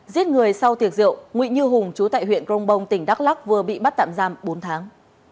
giết người sau tiệc rượu nguyễn như hùng chú tại huyện crong bong tỉnh đắk lắc vừa bị bắt tạm giam bốn tháng